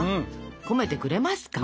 込めてくれますか？